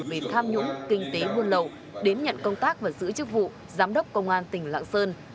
về tham nhũng kinh tế buôn lậu đến nhận công tác và giữ chức vụ giám đốc công an tỉnh lạng sơn